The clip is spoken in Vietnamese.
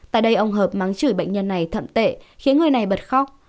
tại đây ông hợp mắng chửi bệnh nhân này thậm tệ khiến người này bật khóc